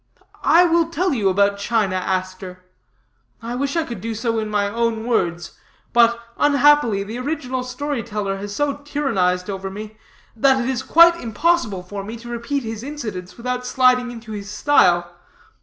I will tell you about China Aster. I wish I could do so in my own words, but unhappily the original story teller here has so tyrannized over me, that it is quite impossible for me to repeat his incidents without sliding into his style.